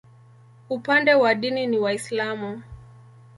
Upande wa dini ni Waislamu.